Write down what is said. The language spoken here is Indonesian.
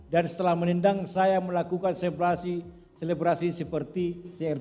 dan setelah menendang saya melakukan selebrasi seperti cr tujuh